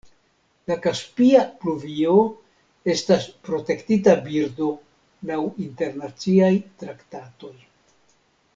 La kaspia pluvio estas protektita birdo laŭ internaciaj traktatoj.